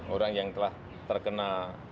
orang yang telah terkena